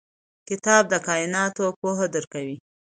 کتاب د کایناتو پوهه درکوي.